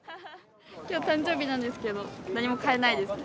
きょう誕生日なんですけど、何も買えないです。